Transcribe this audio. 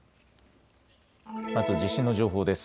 まず地震の情報です。